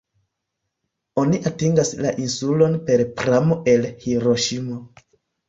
Oni atingas la insulon per pramo el Hiroŝimo.